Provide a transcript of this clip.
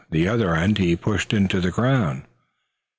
The other end he pushed into the ground.